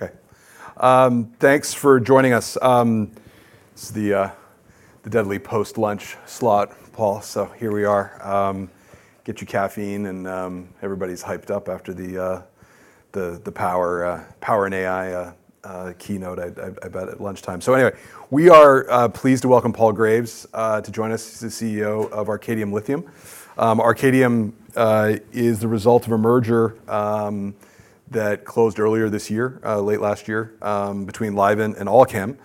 Okay. Thanks for joining us. It's the deadly post-lunch slot, Paul, so here we are. Get your caffeine, and everybody's hyped up after the power and AI keynote at lunchtime. So anyway, we are pleased to welcome Paul Graves to join us. He's the CEO of Arcadium Lithium. Arcadium is the result of a merger that closed earlier this year, late last year, between Livent and Allkem.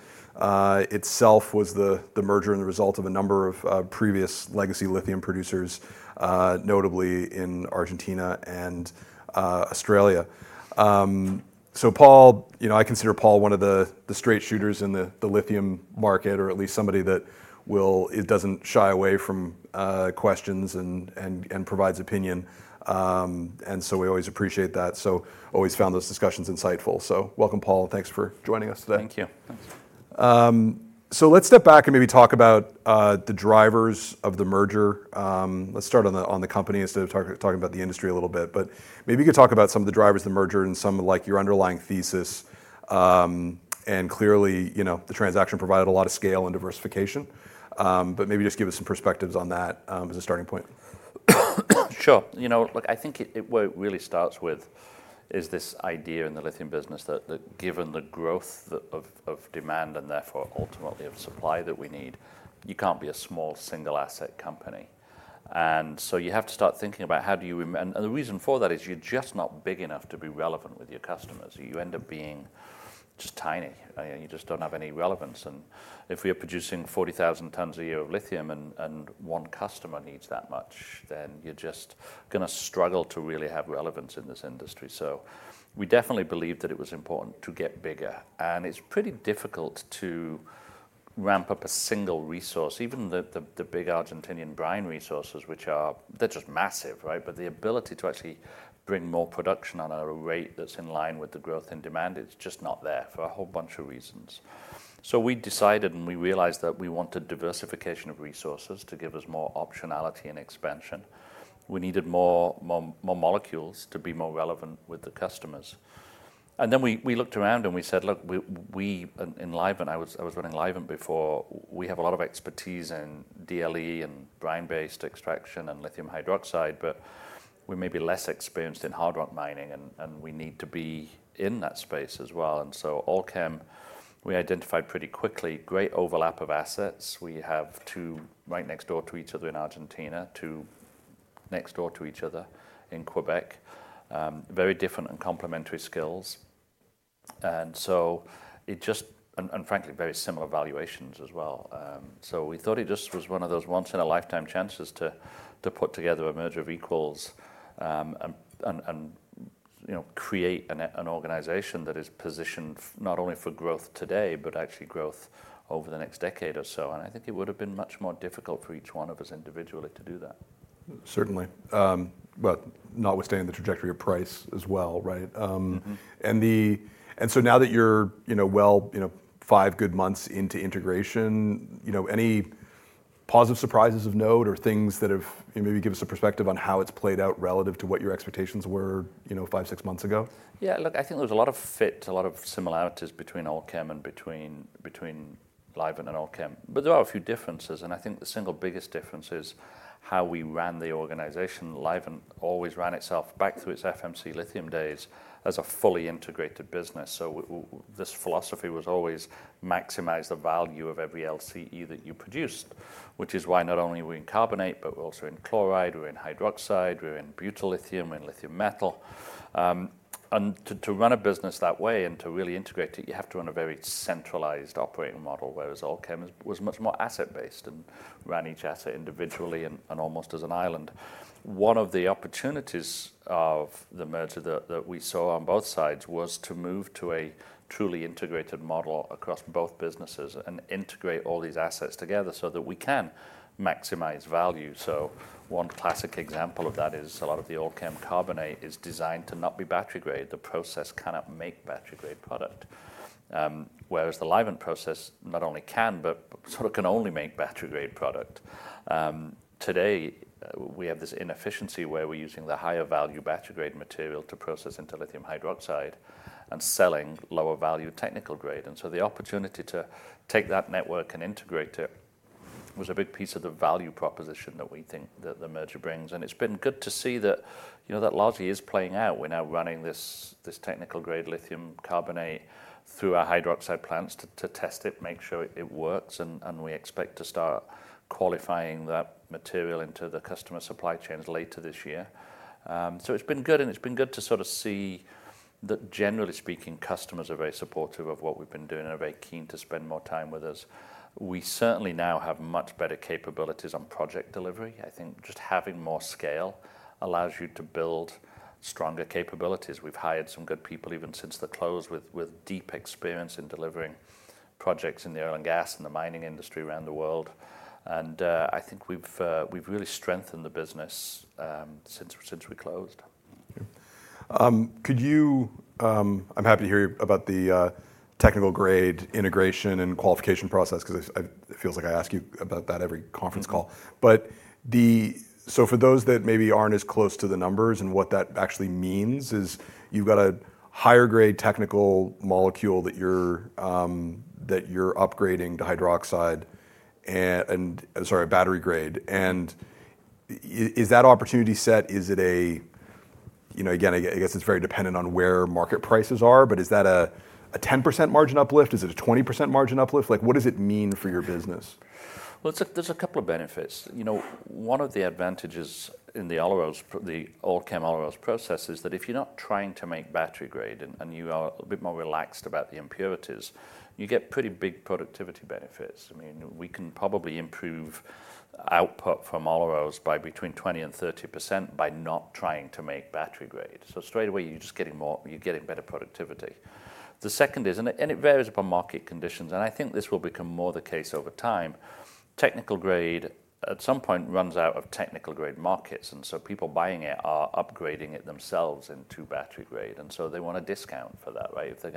Itself was the merger and the result of a number of previous legacy lithium producers, notably in Argentina and Australia. So Paul, you know, I consider Paul one of the straight shooters in the lithium market, or at least somebody that doesn't shy away from questions and provides opinion. And so we always appreciate that. So always found those discussions insightful. So welcome, Paul, and thanks for joining us today. Thank you. Let's step back and maybe talk about the drivers of the merger. Let's start on the company instead of talking about the industry a little bit. But maybe you could talk about some of the drivers of the merger and some, like, your underlying thesis. Clearly, you know, the transaction provided a lot of scale and diversification. Maybe just give us some perspectives on that, as a starting point. Sure. You know, look, I think it really starts with is this idea in the lithium business that given the growth of demand and therefore ultimately of supply that we need, you can't be a small single asset company. And so you have to start thinking about how do you, and the reason for that is you're just not big enough to be relevant with your customers. You end up being just tiny. You know, you just don't have any relevance. And if we are producing 40,000 tons a year of lithium and one customer needs that much, then you're just gonna struggle to really have relevance in this industry. So we definitely believe that it was important to get bigger. And it's pretty difficult to ramp up a single resource, even the big Argentinian brine resources, which are just massive, right? But the ability to actually bring more production on a rate that's in line with the growth in demand, it's just not there for a whole bunch of reasons. So we decided and we realized that we wanted diversification of resources to give us more optionality and expansion. We needed more, more, more molecules to be more relevant with the customers. And then we looked around and we said, look, we in Livent, I was running Livent before, we have a lot of expertise in DLE and brine-based extraction and lithium hydroxide, but we're maybe less experienced in hard rock mining, and we need to be in that space as well. And so Allkem, we identified pretty quickly, great overlap of assets. We have two right next door to each other in Argentina, two next door to each other in Quebec, very different and complementary skills. And so it just, frankly, very similar valuations as well. So we thought it just was one of those once-in-a-lifetime chances to put together a merger of equals, and, you know, create an organization that is positioned not only for growth today, but actually growth over the next decade or so. And I think it would've been much more difficult for each one of us individually to do that. Certainly. Well, notwithstanding the trajectory of price as well, right? And so now that you're, you know, well, you know, five good months into integration, you know, any positive surprises of note or things that have, you know, maybe give us a perspective on how it's played out relative to what your expectations were, you know, five, six months ago? Yeah, look, I think there was a lot of fit, a lot of similarities between Allkem and Livent and Allkem. But there are a few differences. And I think the single biggest difference is how we ran the organization. Livent always ran itself back through its FMC Lithium days as a fully integrated business. So this philosophy was always maximize the value of every LCE that you produced, which is why not only we're in carbonate, but we're also in chloride, we're in hydroxide, we're in butyllithium, we're in lithium metal. And to run a business that way and to really integrate it, you have to run a very centralized operating model, whereas Allkem was much more asset-based and ran each asset individually and almost as an island. One of the opportunities of the merger that we saw on both sides was to move to a truly integrated model across both businesses and integrate all these assets together so that we can maximize value. One classic example of that is a lot of the Allkem carbonate is designed to not be battery-grade. The process cannot make battery-grade product. Whereas the Livent process not only can, but sort of can only make battery-grade product. Today we have this inefficiency where we're using the higher value battery-grade material to process into lithium hydroxide and selling lower value technical grade. The opportunity to take that network and integrate it was a big piece of the value proposition that we think that the merger brings. It's been good to see that, you know, that largely is playing out. We're now running this technical grade lithium carbonate through our hydroxide plants to test it, make sure it works. We expect to start qualifying that material into the customer supply chains later this year. It's been good to sort of see that generally speaking, customers are very supportive of what we've been doing and are very keen to spend more time with us. We certainly now have much better capabilities on project delivery. I think just having more scale allows you to build stronger capabilities. We've hired some good people even since the close with deep experience in delivering projects in the oil and gas and the mining industry around the world. I think we've really strengthened the business since we closed. Could you? I'm happy to hear about the technical grade integration and qualification process, 'cause I feel like I ask you about that every conference call. But so for those that maybe aren't as close to the numbers and what that actually means is you've got a higher grade technical molecule that you're upgrading to hydroxide and a battery grade. And is that opportunity set? Is it a, you know, again, I guess it's very dependent on where market prices are, but is that a 10% margin uplift? Is it a 20% margin uplift? Like, what does it mean for your business? Well, there's a couple of benefits. You know, one of the advantages in the Allkem Olaroz process is that if you're not trying to make battery grade and you are a bit more relaxed about the impurities, you get pretty big productivity benefits. I mean, we can probably improve output from Olaroz by between 20% and 30% by not trying to make battery grade. So straight away you're just getting more, you're getting better productivity. The second is, and it varies upon market conditions, and I think this will become more the case over time. Technical grade at some point runs out of technical grade markets. And so people buying it are upgrading it themselves into battery grade. And so they want a discount for that, right? If they're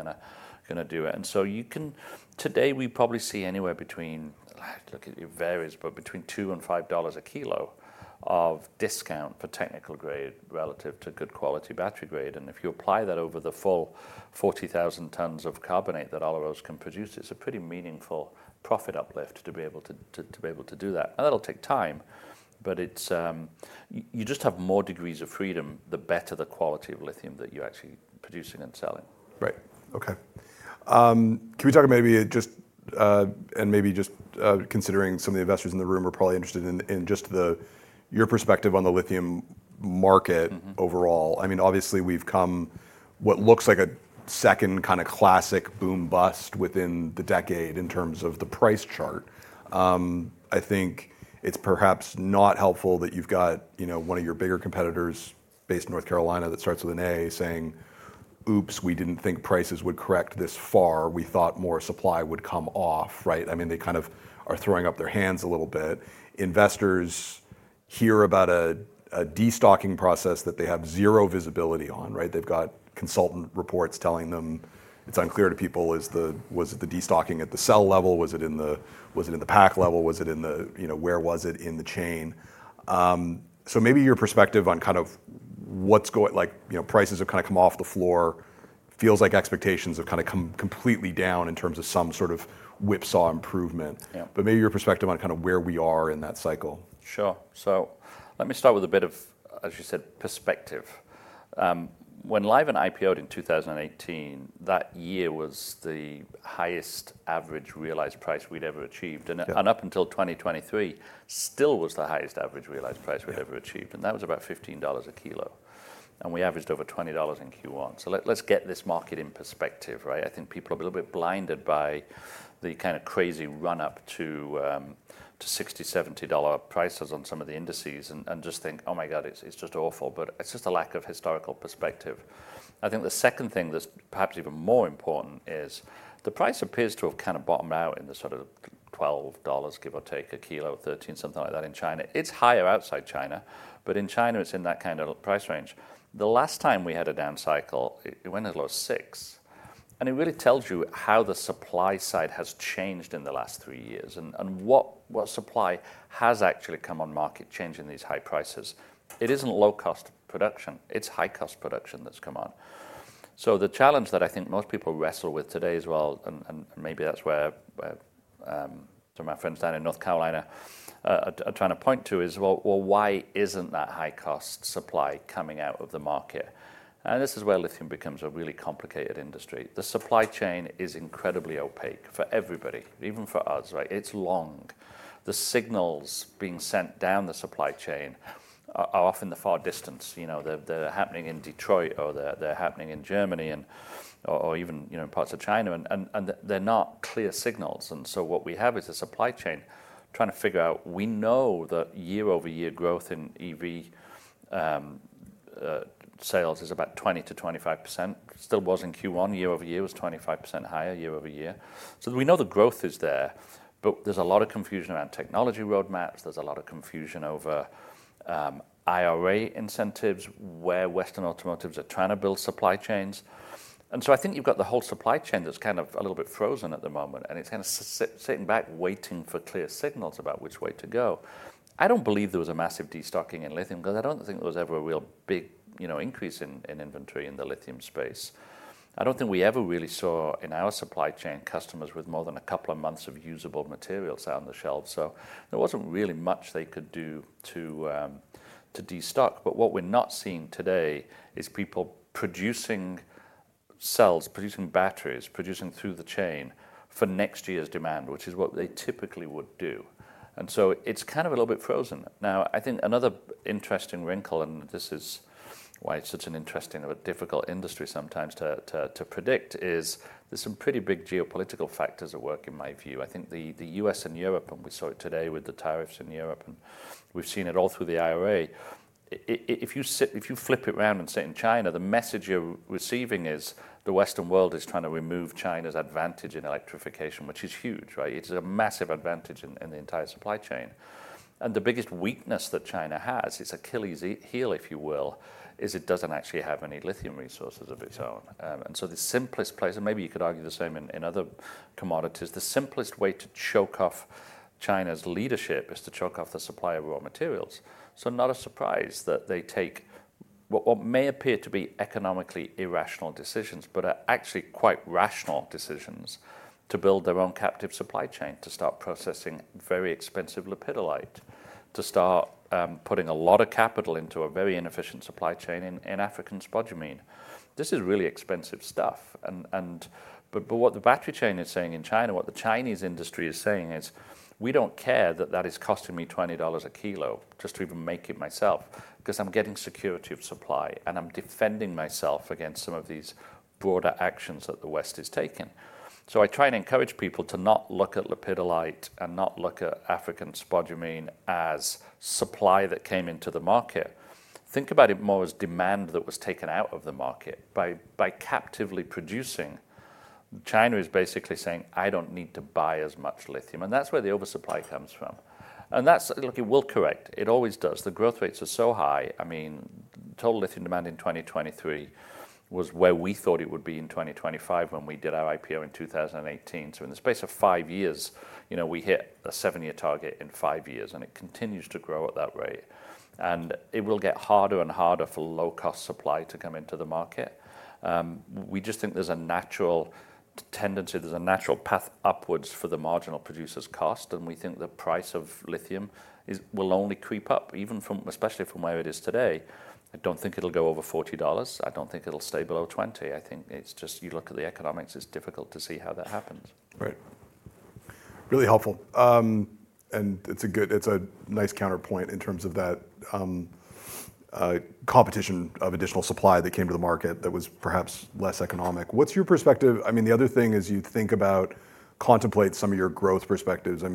gonna do it. And so you can, today we probably see anywhere between—look, it varies—but between $2-$5 a kilo discount for technical grade relative to good quality battery grade. And if you apply that over the full 40,000 tons of carbonate that Olaroz can produce, it's a pretty meaningful profit uplift to be able to do that. Now that'll take time, but it's you just have more degrees of freedom, the better the quality of lithium that you're actually producing and selling. Right. Okay. Can we talk maybe just considering some of the investors in the room are probably interested in just your perspective on the lithium market overall. I mean, obviously we've come what looks like a second kind of classic boom bust within the decade in terms of the price chart. I think it's perhaps not helpful that you've got, you know, one of your bigger competitors based in North Carolina that starts with an A saying, oops, we didn't think prices would correct this far. We thought more supply would come off, right? I mean, they kind of are throwing up their hands a little bit. Investors hear about a de-stocking process that they have zero visibility on, right? They've got consultant reports telling them it's unclear to people, is it the de-stocking at the cell level? Was it in the, was it in the pack level? Was it in the, you know, where was it in the chain? So maybe your perspective on kind of what's going, like, you know, prices have kind of come off the floor, feels like expectations have kind of come completely down in terms of some sort of whipsaw improvement. Yeah. Maybe your perspective on kind of where we are in that cycle. Sure. So let me start with a bit of, as you said, perspective. When Livent IPO'd in 2018, that year was the highest average realized price we'd ever achieved. And, and up until 2023, still was the highest average realized price we'd ever achieved. And that was about $15 a kilo. And we averaged over $20 in Q1. So let's get this market in perspective, right? I think people are a little bit blinded by the kind of crazy run-up to $60-$70 prices on some of the indices and just think, oh my God, it's just awful. But it's just a lack of historical perspective. I think the second thing that's perhaps even more important is the price appears to have kind of bottomed out in the sort of $12-$13 a kilo, give or take, something like that in China. It's higher outside China, but in China it's in that kind of price range. The last time we had a down cycle, it went as low as $6. It really tells you how the supply side has changed in the last three years and what supply has actually come on market changing these high prices. It isn't low cost production, it's high cost production that's come on. So the challenge that I think most people wrestle with today as well, and maybe that's where some of my friends down in North Carolina are trying to point to is, well, why isn't that high cost supply coming out of the market? This is where lithium becomes a really complicated industry. The supply chain is incredibly opaque for everybody, even for us, right? It's long. The signals being sent down the supply chain are often the far distance, you know, they're happening in Detroit or they're happening in Germany or even, you know, in parts of China. They're not clear signals. So what we have is a supply chain trying to figure out; we know that year-over-year growth in EV sales is about 20%-25%. It still was in Q1 year-over-year 25% higher year-over-year. So we know the growth is there, but there's a lot of confusion around technology roadmaps. There's a lot of confusion over IRA incentives, where Western automotives are trying to build supply chains. So I think you've got the whole supply chain that's kind of a little bit frozen at the moment, and it's kind of sitting back waiting for clear signals about which way to go. I don't believe there was a massive de-stocking in lithium 'cause I don't think there was ever a real big, you know, increase in inventory in the lithium space. I don't think we ever really saw in our supply chain customers with more than a couple of months of usable materials out on the shelf. So there wasn't really much they could do to de-stock. But what we're not seeing today is people producing cells, producing batteries, producing through the chain for next year's demand, which is what they typically would do. So it's kind of a little bit frozen. Now, I think another interesting wrinkle, and this is why it's such an interesting but difficult industry sometimes to predict is there's some pretty big geopolitical factors at work in my view. I think the U.S. and Europe, and we saw it today with the tariffs in Europe and we've seen it all through the IRA. If you flip it around and sit in China, the message you're receiving is the Western world is trying to remove China's advantage in electrification, which is huge, right? It is a massive advantage in the entire supply chain. And the biggest weakness that China has, its Achilles heel, if you will, is it doesn't actually have any lithium resources of its own. And so the simplest place, and maybe you could argue the same in, in other commodities, the simplest way to choke off China's leadership is to choke off the supply of raw materials. So not a surprise that they take what, what may appear to be economically irrational decisions, but are actually quite rational decisions to build their own captive supply chain to start processing very expensive lepidolite, to start putting a lot of capital into a very inefficient supply chain in, in African spodumene. This is really expensive stuff. But what the battery chain is saying in China, what the Chinese industry is saying is we don't care that that is costing me $20 a kilo just to even make it myself, 'cause I'm getting security of supply and I'm defending myself against some of these broader actions that the West is taking. So I try and encourage people to not look at lepidolite and not look at African spodumene as supply that came into the market. Think about it more as demand that was taken out of the market by, by captively producing. China is basically saying, I don't need to buy as much lithium. And that's where the oversupply comes from. And that's, look, it will correct. It always does. The growth rates are so high. I mean, total lithium demand in 2023 was where we thought it would be in 2025 when we did our IPO in 2018. So in the space of five years, you know, we hit a seven-year target in five years and it continues to grow at that rate. And it will get harder and harder for low-cost supply to come into the market. We just think there's a natural tendency, there's a natural path upwards for the marginal producer's cost. And we think the price of lithium is, will only creep up even from, especially from where it is today. I don't think it'll go over $40. I don't think it'll stay below $20. I think it's just, you look at the economics, it's difficult to see how that happens. Right. Really helpful. It's a good, it's a nice counterpoint in terms of that competition of additional supply that came to the market that was perhaps less economic. What's your perspective? I mean, the other thing is you think about, contemplate some of your growth perspectives. I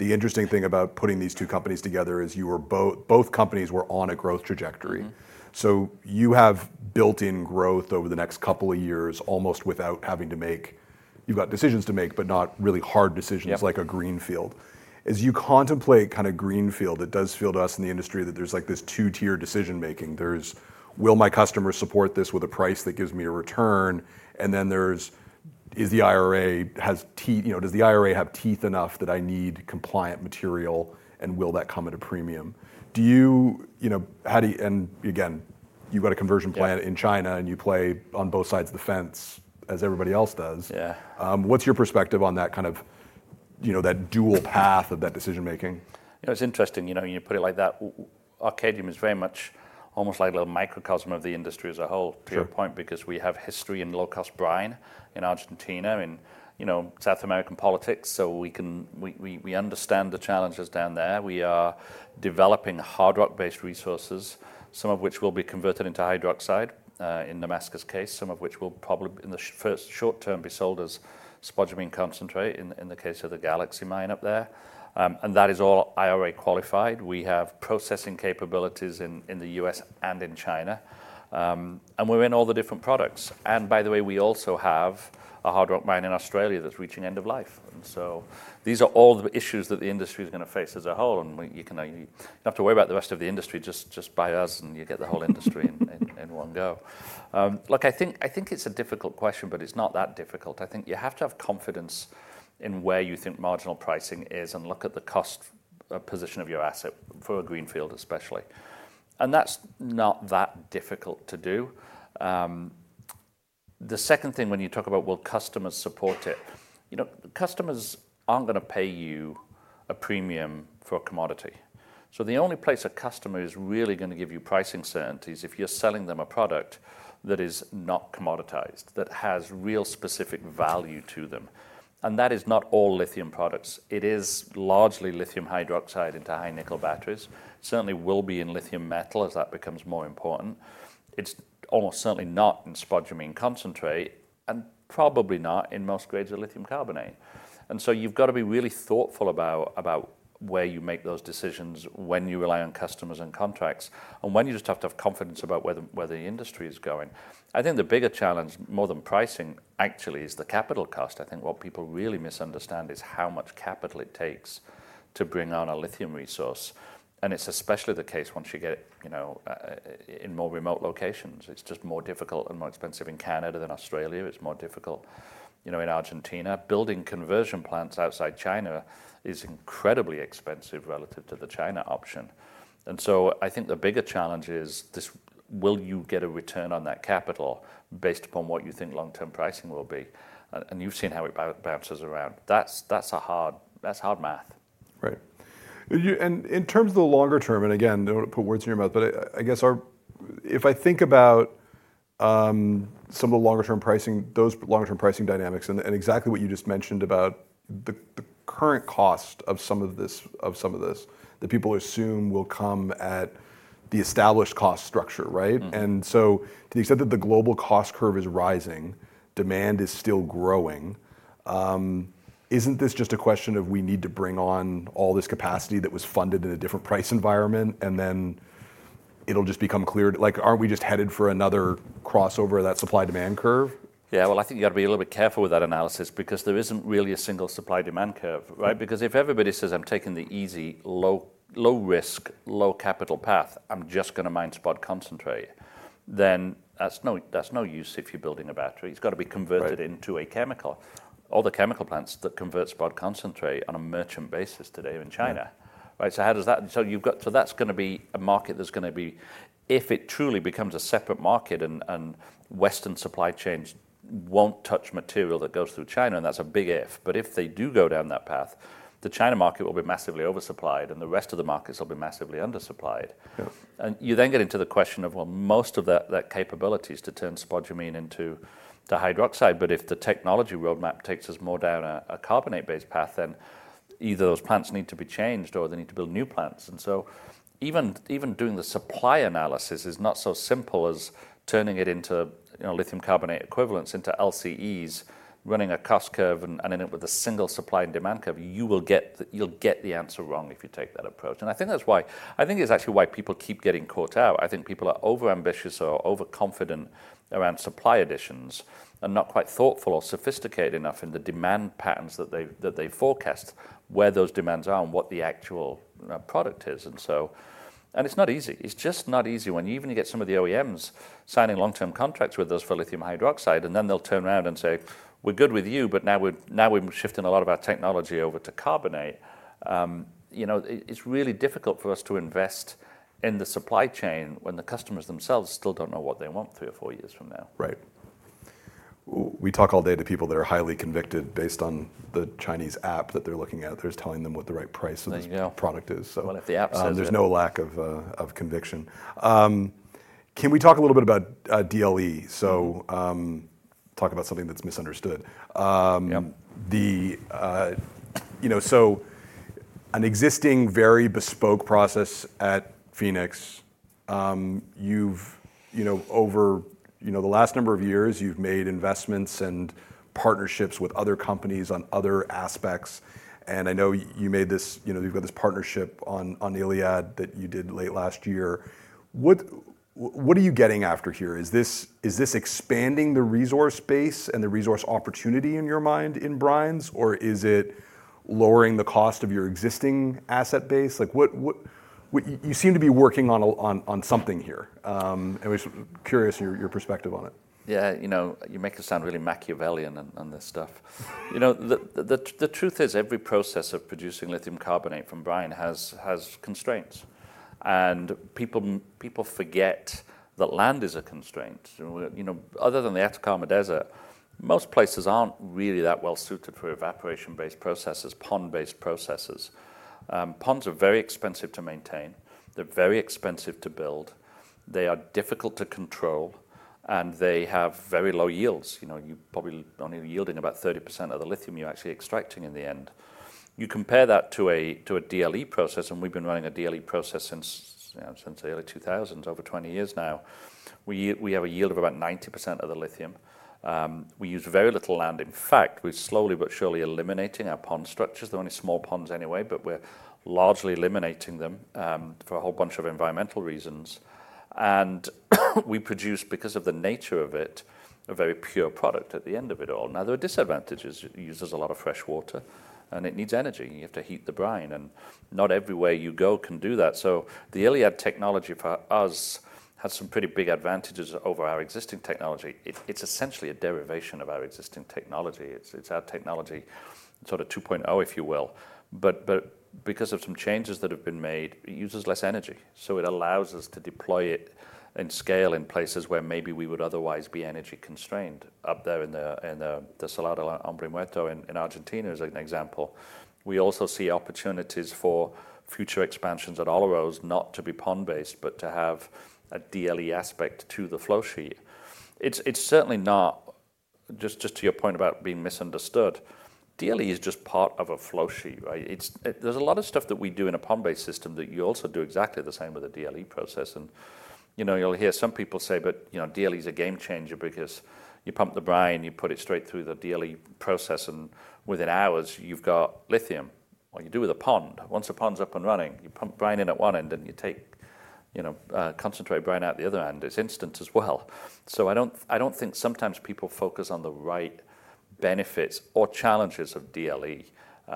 mean, the interesting thing about putting these two companies together is you were both, both companies were on a growth trajectory. So you have built-in growth over the next couple of years almost without having to make, you've got decisions to make, but not really hard decisions like a greenfield. As you contemplate kind of greenfield, it does feel to us in the industry that there's like this two-tier decision making. There's: will my customer support this with a price that gives me a return? And then there's, you know, does the IRA have teeth enough that I need compliant material and will that come at a premium? You know, how do you, and again, you've got a conversion plan in China and you play on both sides of the fence as everybody else does. Yeah. What's your perspective on that kind of, you know, that dual path of that decision making? You know, it's interesting, you know, when you put it like that, Arcadium is very much almost like a little microcosm of the industry as a whole, to your point, because we have history in low-cost brine in Argentina and, you know, South American politics. So we can understand the challenges down there. We are developing hard rock-based resources, some of which will be converted into hydroxide, in Nemaska's case, some of which will probably in the first short term be sold as spodumene concentrate in the case of the Galaxy mine up there. And that is all IRA qualified. We have processing capabilities in the U.S. and in China. And we're in all the different products. And by the way, we also have a hard rock mine in Australia that's reaching end of life. So these are all the issues that the industry is gonna face as a whole. You can, you have to worry about the rest of the industry just, just by us and you get the whole industry in, in, in one go. Look, I think, I think it's a difficult question, but it's not that difficult. I think you have to have confidence in where you think marginal pricing is and look at the cost, position of your asset for a greenfield, especially. And that's not that difficult to do. The second thing, when you talk about, will customers support it? You know, customers aren't gonna pay you a premium for a commodity. So the only place a customer is really gonna give you pricing certainty is if you're selling them a product that is not commoditized, that has real specific value to them. That is not all lithium products. It is largely lithium hydroxide into high-nickel batteries. Certainly will be in lithium metal as that becomes more important. It's almost certainly not in spodumene concentrate and probably not in most grades of lithium carbonate. And so you've gotta be really thoughtful about, about where you make those decisions, when you rely on customers and contracts, and when you just have to have confidence about where, where the industry is going. I think the bigger challenge, more than pricing, actually is the capital cost. I think what people really misunderstand is how much capital it takes to bring on a lithium resource. And it's especially the case once you get it, you know, in more remote locations. It's just more difficult and more expensive in Canada than Australia. It's more difficult, you know, in Argentina. Building conversion plants outside China is incredibly expensive relative to the China option. And so I think the bigger challenge is this: will you get a return on that capital based upon what you think long-term pricing will be? And you've seen how it bounces around. That's a hard, that's hard math. Right. You, and in terms of the longer term, and again, don't put words in your mouth, but I, I guess our, if I think about, some of the longer-term pricing, those longer-term pricing dynamics and, and exactly what you just mentioned about the, the current cost of some of this, of some of this that people assume will come at the established cost structure, right? And so to the extent that the global cost curve is rising, demand is still growing, isn't this just a question of we need to bring on all this capacity that was funded in a different price environment and then it'll just become clear? Like, aren't we just headed for another crossover of that supply-demand curve? Yeah. Well, I think you gotta be a little bit careful with that analysis because there isn't really a single supply-demand curve, right? Because if everybody says, "I'm taking the easy, low, low-risk, low-capital path, I'm just gonna mine spod concentrate," then that's no, that's no use if you're building a battery. It's gotta be converted into a chemical. Other chemical plants that convert spod concentrate on a merchant basis today in China, right? So how does that, so you've got, so that's gonna be a market that's gonna be, if it truly becomes a separate market and, and Western supply chains won't touch material that goes through China, and that's a big if. But if they do go down that path, the China market will be massively oversupplied and the rest of the markets will be massively undersupplied. Yeah. And you then get into the question of, well, most of that, that capability is to turn spodumene into the hydroxide. But if the technology roadmap takes us more down a, a carbonate-based path, then either those plants need to be changed or they need to build new plants. And so even, even doing the supply analysis is not so simple as turning it into, you know, lithium carbonate equivalents into LCEs, running a cost curve and, and in it with a single supply and demand curve, you will get the, you'll get the answer wrong if you take that approach. And I think that's why, I think it's actually why people keep getting caught out. I think people are overambitious or overconfident around supply additions and not quite thoughtful or sophisticated enough in the demand patterns that they forecast where those demands are and what the actual product is. It's just not easy when even you get some of the OEMs signing long-term contracts with us for lithium hydroxide, and then they'll turn around and say, we're good with you, but now we're shifting a lot of our technology over to carbonate. You know, it's really difficult for us to invest in the supply chain when the customers themselves still don't know what they want three or four years from now. Right. We talk all day to people that are highly convicted based on the Chinese app that they're looking at that's telling them what the right price of this product is. So. Well, if the app says so. There's no lack of conviction. Can we talk a little bit about DLE? So, talk about something that's misunderstood. Yeah. You know, so an existing very bespoke process at Fenix. You've, you know, over the last number of years, you've made investments and partnerships with other companies on other aspects. And I know you made this, you know, you've got this partnership on ILiAD that you did late last year. What, what are you getting after here? Is this, is this expanding the resource base and the resource opportunity in your mind in brines, or is it lowering the cost of your existing asset base? Like what, what, what you, you seem to be working on a, on, on something here. And I was curious your, your perspective on it. Yeah. You know, you make it sound really Machiavellian and this stuff. You know, the truth is every process of producing lithium carbonate from brine has constraints. And people forget that land is a constraint. You know, other than the Atacama Desert, most places aren't really that well suited for evaporation-based processes, pond-based processes. Ponds are very expensive to maintain. They're very expensive to build. They are difficult to control, and they have very low yields. You know, you probably only yielding about 30% of the lithium you're actually extracting in the end. You compare that to a DLE process, and we've been running a DLE process since, you know, since the early 2000s, over 20 years now. We have a yield of about 90% of the lithium. We use very little land. In fact, we're slowly but surely eliminating our pond structures. They're only small ponds anyway, but we're largely eliminating them, for a whole bunch of environmental reasons. And we produce, because of the nature of it, a very pure product at the end of it all. Now, there are disadvantages. It uses a lot of fresh water and it needs energy. You have to heat the brine, and not everywhere you go can do that. So the ILiAD technology for us has some pretty big advantages over our existing technology. It's essentially a derivation of our existing technology. It's our technology sort of 2.0, if you will. But because of some changes that have been made, it uses less energy. So it allows us to deploy it in scale in places where maybe we would otherwise be energy constrained up there in the Salar del Hombre Muerto in Argentina as an example. We also see opportunities for future expansions at all of those not to be pond-based, but to have a DLE aspect to the flow sheet. It's certainly not just to your point about being misunderstood. DLE is just part of a flow sheet, right? There's a lot of stuff that we do in a pond-based system that you also do exactly the same with a DLE process. And, you know, you'll hear some people say, but, you know, DLE's a game changer because you pump the brine, you put it straight through the DLE process, and within hours you've got lithium. What you do with a pond, once the pond's up and running, you pump brine in at one end and you take, you know, concentrate brine out the other end. It's instant as well. So I don't, I don't think sometimes people focus on the right benefits or challenges of DLE.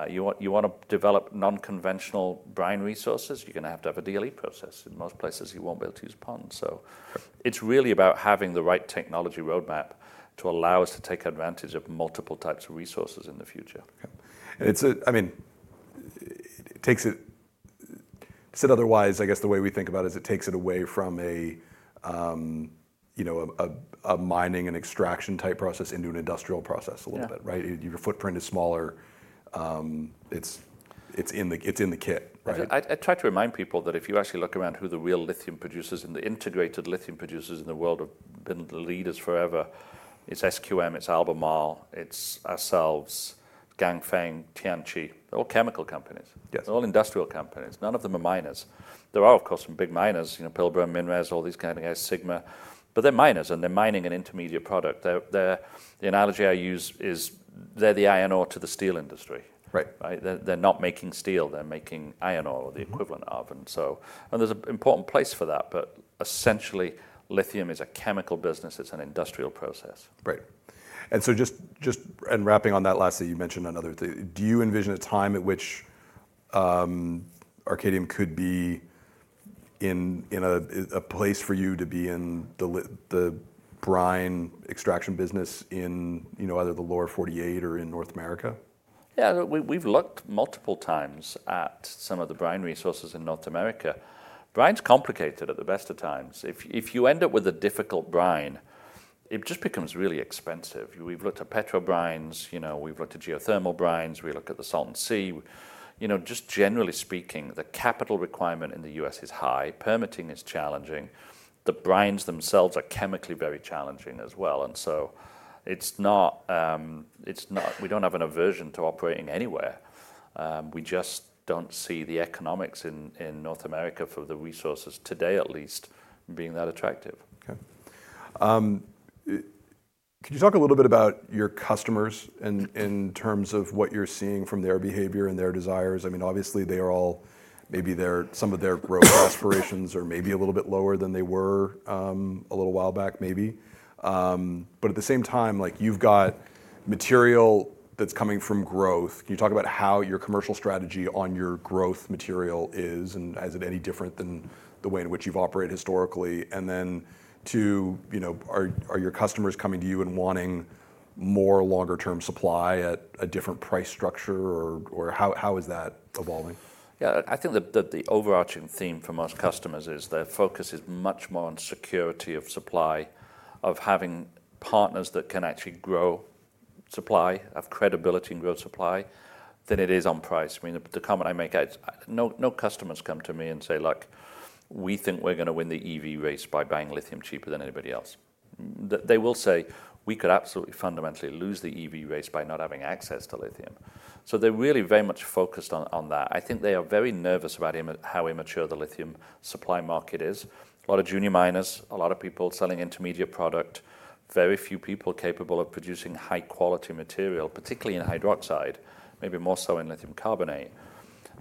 You want, you wanna develop non-conventional brine resources, you're gonna have to have a DLE process. In most places, you won't be able to use ponds. So it's really about having the right technology roadmap to allow us to take advantage of multiple types of resources in the future. Okay. And it's, I mean, it takes it, to say it otherwise, I guess the way we think about it is it takes it away from a, you know, a mining and extraction type process into an industrial process a little bit, right? Your footprint is smaller. It's in the kit, right? I try to remind people that if you actually look around who the real lithium producers and the integrated lithium producers in the world have been the leaders forever, it's SQM, it's Albemarle, it's ourselves, Ganfeng, Tianqi, they're all chemical companies. Yes. They're all industrial companies. None of them are miners. There are, of course, some big miners, you know, Pilbara Minerals, all these kind of guys, Sigma Lithium, but they're miners and they're mining an intermediate product. The analogy I use is they're the iron ore to the steel industry. Right. Right? They're not making steel, they're making iron ore or the equivalent of. And so there's an important place for that, but essentially lithium is a chemical business. It's an industrial process. Right. And so just in wrapping on that last thing, you mentioned another thing. Do you envision a time at which Arcadium could be in a place for you to be in the brine extraction business in, you know, either the Lower 48 or in North America? Yeah. We've looked multiple times at some of the brine resources in North America. Brine's complicated at the best of times. If you end up with a difficult brine, it just becomes really expensive. We've looked at petro brines, you know, we've looked at geothermal brines, we look at the Salton Sea. You know, just generally speaking, the capital requirement in the U.S. is high. Permitting is challenging. The brines themselves are chemically very challenging as well. And so it's not, we don't have an aversion to operating anywhere. We just don't see the economics in North America for the resources today, at least being that attractive. Okay. Could you talk a little bit about your customers in, in terms of what you're seeing from their behavior and their desires? I mean, obviously they are all, maybe they're, some of their growth aspirations are maybe a little bit lower than they were, a little while back, maybe. But at the same time, like you've got material that's coming from growth. Can you talk about how your commercial strategy on your growth material is and as of any different than the way in which you've operated historically? And then to, you know, are, are your customers coming to you and wanting more longer-term supply at a different price structure or, or how, how is that evolving? Yeah. I think that the overarching theme for most customers is their focus is much more on security of supply, of having partners that can actually grow supply, have credibility and grow supply than it is on price. I mean, the comment I make, no, no customers come to me and say, look, we think we're gonna win the EV race by buying lithium cheaper than anybody else. They will say we could absolutely fundamentally lose the EV race by not having access to lithium. So they're really very much focused on that. I think they are very nervous about how immature the lithium supply market is. A lot of junior miners, a lot of people selling intermediate product, very few people capable of producing high-quality material, particularly in hydroxide, maybe more so in lithium carbonate.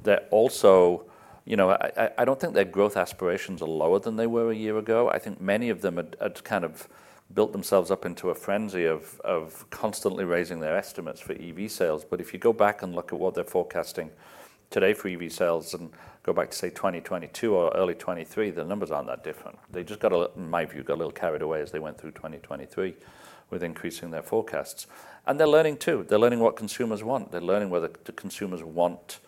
They're also, you know, I don't think their growth aspirations are lower than they were a year ago. I think many of them had kind of built themselves up into a frenzy of constantly raising their estimates for EV sales. But if you go back and look at what they're forecasting today for EV sales and go back to say 2022 or early 2023, the numbers aren't that different. They just got a little, in my view, carried away as they went through 2023 with increasing their forecasts. And they're learning too. They're learning what consumers want. They're learning whether the consumers want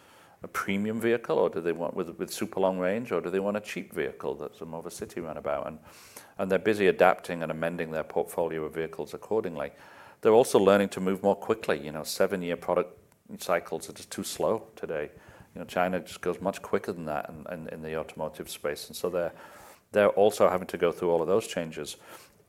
a premium vehicle or do they want with super long range, or do they want a cheap vehicle that's more of a city runabout? And they're busy adapting and amending their portfolio of vehicles accordingly. They're also learning to move more quickly. You know, seven-year product cycles are just too slow today. You know, China just goes much quicker than that in the automotive space. And so they're also having to go through all of those changes.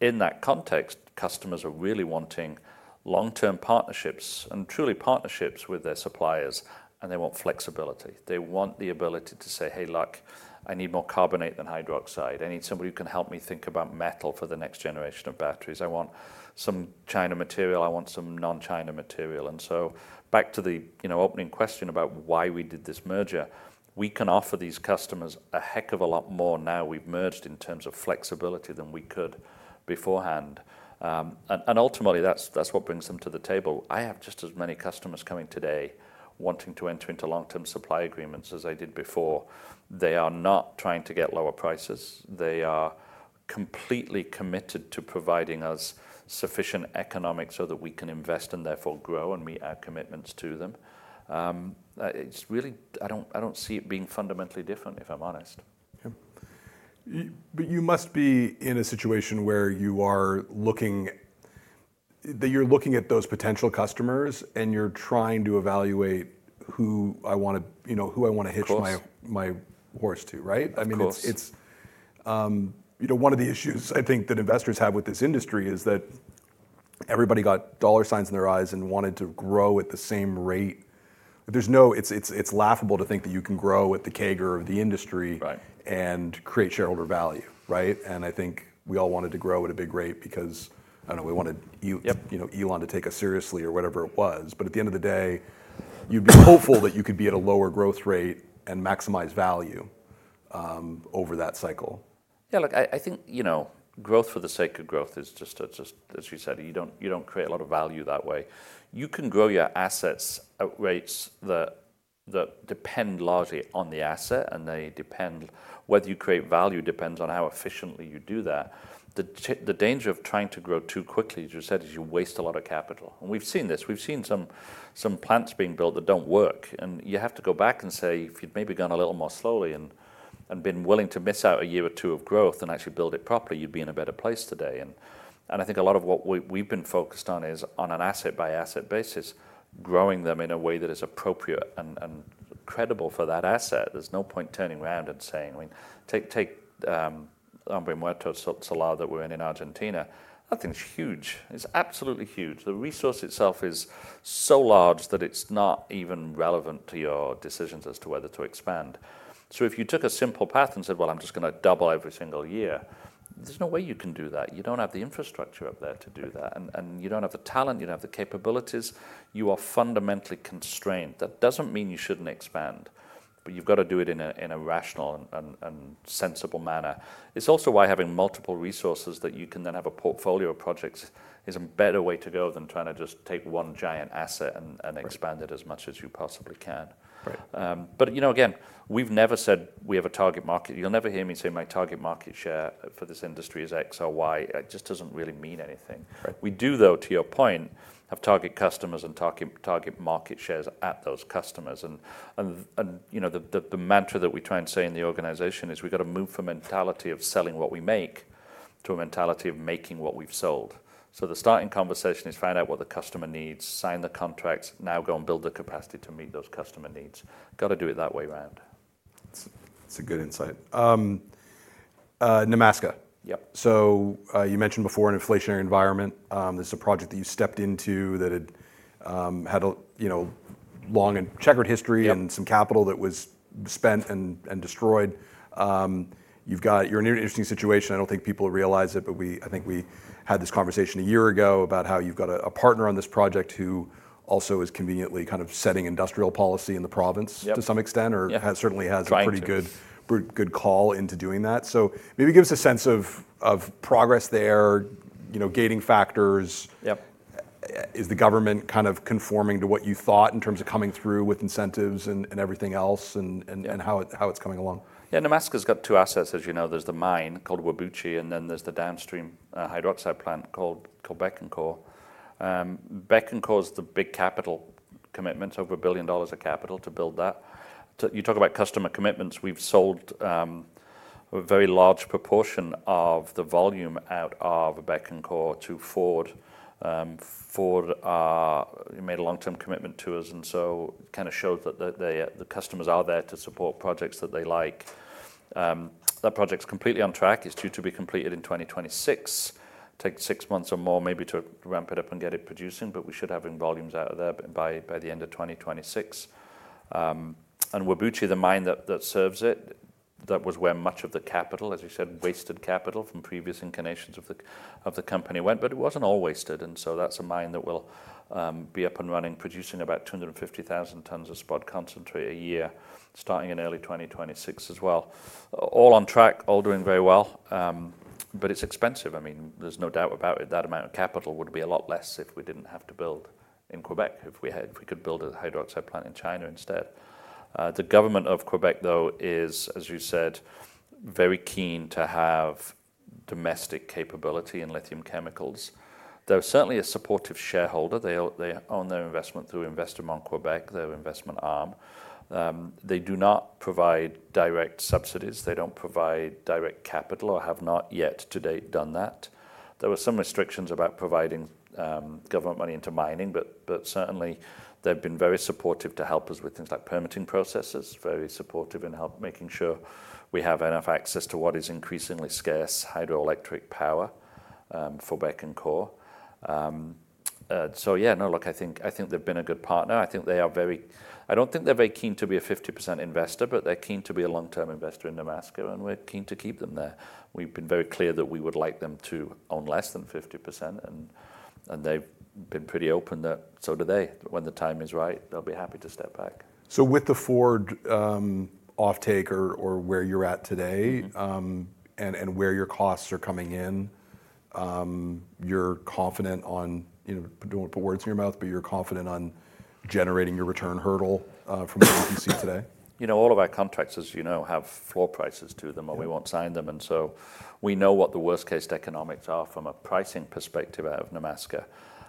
In that context, customers are really wanting long-term partnerships and truly partnerships with their suppliers, and they want flexibility. They want the ability to say, "Hey, look, I need more carbonate than hydroxide. I need somebody who can help me think about metal for the next generation of batteries. I want some China material. I want some non-China material." And so back to the, you know, opening question about why we did this merger, we can offer these customers a heck of a lot more now we've merged in terms of flexibility than we could beforehand. Ultimately that's what brings them to the table. I have just as many customers coming today wanting to enter into long-term supply agreements as I did before. They are not trying to get lower prices. They are completely committed to providing us sufficient economics so that we can invest and therefore grow and meet our commitments to them. It's really. I don't see it being fundamentally different if I'm honest. Yeah. But you must be in a situation where you are looking, that you're looking at those potential customers and you're trying to evaluate who I wanna, you know, who I wanna hitch my, my horse to, right? I mean, it's, it's, it's laughable to think that you can grow at the CAGR of the industry. Right. And create shareholder value, right? And I think we all wanted to grow at a big rate because I don't know, we wanted you, you know, Elon to take us seriously or whatever it was. But at the end of the day, you'd be hopeful that you could be at a lower growth rate and maximize value, over that cycle. Yeah. Look, I think, you know, growth for the sake of growth is just, as you said, you don't create a lot of value that way. You can grow your assets at rates that depend largely on the asset and they depend, whether you create value depends on how efficiently you do that. The danger of trying to grow too quickly, as you said, is you waste a lot of capital. And we've seen this. We've seen some plants being built that don't work. And you have to go back and say, if you'd maybe gone a little more slowly and been willing to miss out a year or two of growth and actually build it properly, you'd be in a better place today. I think a lot of what we've been focused on is on an asset-by-asset basis, growing them in a way that is appropriate and credible for that asset. There's no point turning around and saying, I mean, take Salar del Hombre Muerto that we're in in Argentina. That thing's huge. It's absolutely huge. The resource itself is so large that it's not even relevant to your decisions as to whether to expand. So if you took a simple path and said, well, I'm just gonna double every single year, there's no way you can do that. You don't have the infrastructure up there to do that. And you don't have the talent, you don't have the capabilities. You are fundamentally constrained. That doesn't mean you shouldn't expand, but you've gotta do it in a rational and sensible manner. It's also why having multiple resources that you can then have a portfolio of projects is a better way to go than trying to just take one giant asset and expand it as much as you possibly can. Right. You know, again, we've never said we have a target market. You'll never hear me say my target market share for this industry is X or Y. It just doesn't really mean anything. Right. We do though, to your point, have target customers and target, target market shares at those customers. And you know, the mantra that we try and say in the organization is we gotta move from mentality of selling what we make to a mentality of making what we've sold. So the starting conversation is find out what the customer needs, sign the contracts, now go and build the capacity to meet those customer needs. Gotta do it that way around. That's, that's a good insight. Nemaska. Yep. So, you mentioned before an inflationary environment. This is a project that you stepped into that had a, you know, long and checkered history and some capital that was spent and destroyed. You've got, you're in an interesting situation. I don't think people realize it, but we, I think we had this conversation a year ago about how you've got a partner on this project who also is conveniently kind of setting industrial policy in the province. Yep. To some extent, or has, certainly has a pretty good call into doing that. So maybe give us a sense of progress there, you know, gating factors. Yep. Is the government kind of conforming to what you thought in terms of coming through with incentives and everything else and how it's coming along? Yeah. Nemaska's got two assets, as you know. There's the mine called Whabouchi, and then there's the downstream, hydroxide plant called Bécancour. Bécancour's the big capital commitments, over $1 billion of capital to build that. When you talk about customer commitments, we've sold a very large proportion of the volume out of Bécancour to Ford. Ford made a long-term commitment to us. And so it kind of shows that they, the customers are there to support projects that they like. That project's completely on track. It's due to be completed in 2026. It'll take six months or more maybe to ramp it up and get it producing, but we should have volumes out of there by the end of 2026. Whabouchi, the mine that serves it, that was where much of the capital, as you said, wasted capital from previous incarnations of the company went, but it wasn't all wasted. So that's a mine that will be up and running, producing about 250,000 tons of spodumene concentrate a year, starting in early 2026 as well. All on track, all doing very well. But it's expensive. I mean, there's no doubt about it. That amount of capital would be a lot less if we didn't have to build in Quebec, if we could build a hydroxide plant in China instead. The government of Quebec though is, as you said, very keen to have domestic capability in lithium chemicals. They're certainly a supportive shareholder. They own their investment through Investissement Québec, their investment arm. They do not provide direct subsidies. They don't provide direct capital or have not yet to date done that. There were some restrictions about providing government money into mining, but certainly they've been very supportive to help us with things like permitting processes, very supportive in helping make sure we have enough access to what is increasingly scarce hydroelectric power for Bécancour. So yeah, no, look, I think they've been a good partner. I think they are very. I don't think they're very keen to be a 50% investor, but they're keen to be a long-term investor in Nemaska, and we're keen to keep them there. We've been very clear that we would like them to own less than 50%, and they've been pretty open that so do they. When the time is right, they'll be happy to step back. So with the Ford offtake or where you're at today, and where your costs are coming in, you're confident on, you know, don't put words in your mouth, but you're confident on generating your return hurdle, from what you see today? You know, all of our contracts, as you know, have floor prices to them, and we won't sign them. So we know what the worst-case economics are from a pricing perspective out of Nemaska.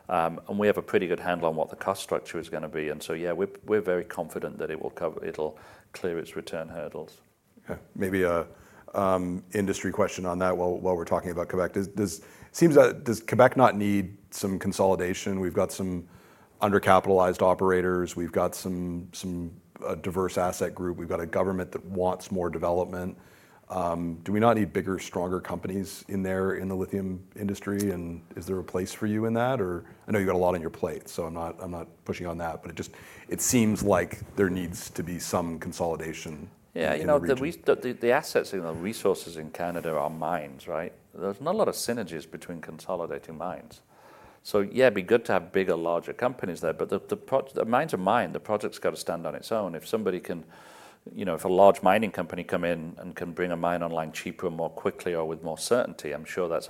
And we have a pretty good handle on what the cost structure is gonna be. So yeah, we're, we're very confident that it will cover, it'll clear its return hurdles. Okay. Maybe an industry question on that while we're talking about Quebec. Does Quebec not need some consolidation? We've got some undercapitalized operators. We've got some diverse asset group. We've got a government that wants more development. Do we not need bigger, stronger companies in there in the lithium industry? And is there a place for you in that? Or I know you've got a lot on your plate, so I'm not pushing on that, but it seems like there needs to be some consolidation. Yeah. You know, the assets in the resources in Canada are mines, right? There's not a lot of synergies between consolidating mines. So yeah, it'd be good to have bigger, larger companies there, but the mines are mines. The project's gotta stand on its own. If somebody can, you know, if a large mining company come in and can bring a mine online cheaper, more quickly, or with more certainty, I'm sure that's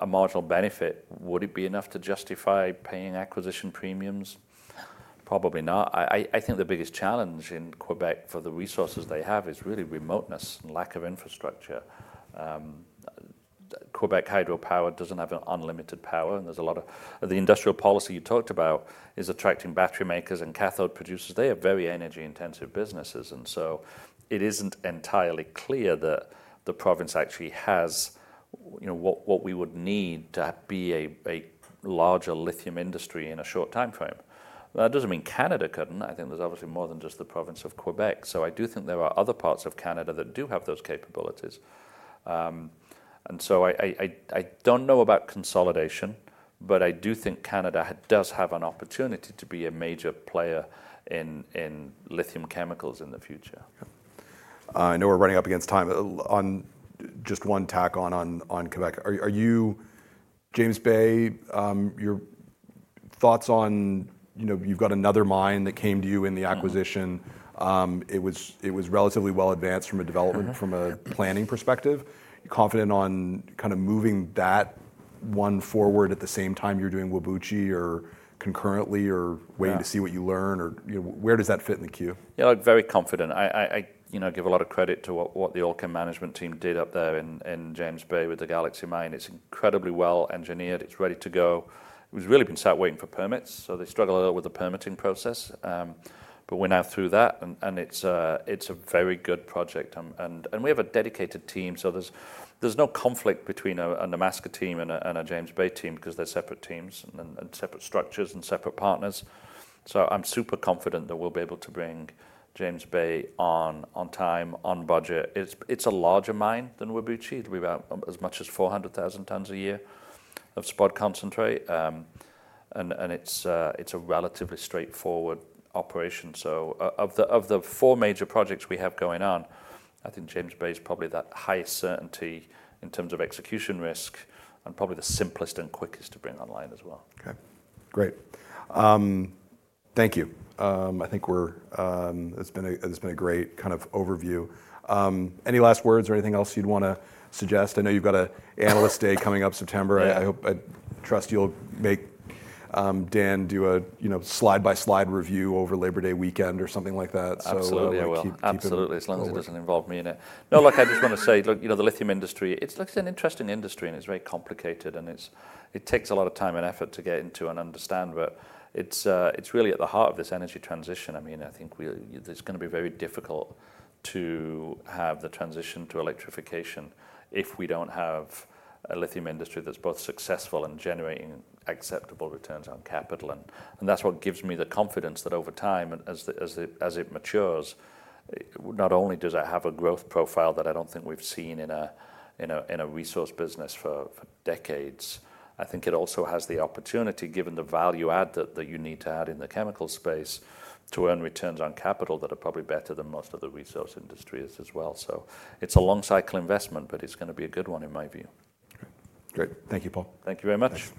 a marginal benefit. Would it be enough to justify paying acquisition premiums? Probably not. I think the biggest challenge in Quebec for the resources they have is really remoteness and lack of infrastructure. Quebec hydropower doesn't have unlimited power, and there's a lot of the industrial policy you talked about is attracting battery makers and cathode producers. They are very energy-intensive businesses. And so it isn't entirely clear that the province actually has, you know, what we would need to be a larger lithium industry in a short timeframe. That doesn't mean Canada couldn't. I think there's obviously more than just the province of Quebec. So I do think there are other parts of Canada that do have those capabilities. So I don't know about consolidation, but I do think Canada does have an opportunity to be a major player in lithium chemicals in the future. Okay. I know we're running up against time on just one tack on Quebec. Are you, James Bay, your thoughts on, you know, you've got another mine that came to you in the acquisition. It was relatively well advanced from a development, from a planning perspective. You're confident on kind of moving that one forward at the same time you're doing Whabouchi or concurrently or waiting to see what you learn or, you know, where does that fit in the queue? Yeah. Look, very confident. I you know give a lot of credit to what the Allkem management team did up there in James Bay with the Galaxy mine. It's incredibly well engineered. It's ready to go. It was really been sat waiting for permits, so they struggled a little with the permitting process. But we're now through that and it's a very good project. And we have a dedicated team. So there's no conflict between a Nemaska team and a James Bay team 'cause they're separate teams and separate structures and separate partners. So I'm super confident that we'll be able to bring James Bay on time, on budget. It's a larger mine than Whabouchi. We've had as much as 400,000 tons a year of spod concentrate. And it's a relatively straightforward operation. Of the four major projects we have going on, I think James Bay's probably the highest certainty in terms of execution risk and probably the simplest and quickest to bring online as well. Okay. Great. Thank you. I think we're, it's been a, it's been a great kind of overview. Any last words or anything else you'd wanna suggest? I know you've got an analyst day coming up September. I, I hope, I trust you'll make Dan do a, you know, slide-by-slide review over Labor Day weekend or something like that. So. Absolutely. I will. Absolutely. As long as it doesn't involve me in it. No, look, I just wanna say, look, you know, the lithium industry, it's like an interesting industry and it's very complicated and it's, it takes a lot of time and effort to get into and understand, but it's, it's really at the heart of this energy transition. I mean, I think we, there's gonna be very difficult to have the transition to electrification if we don't have a lithium industry that's both successful and generating acceptable returns on capital. That's what gives me the confidence that over time, as it matures, not only does I have a growth profile that I don't think we've seen in a resource business for decades, I think it also has the opportunity, given the value add that you need to add in the chemical space to earn returns on capital that are probably better than most of the resource industries as well. So it's a long cycle investment, but it's gonna be a good one in my view. Great. Great. Thank you, Paul. Thank you very much.